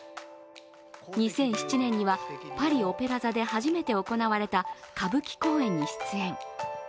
２００７年にはパリ・オペラ座で初めて行われた歌舞伎公演に出演。